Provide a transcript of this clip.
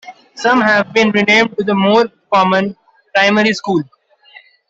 Some have been renamed to the more common "primary school".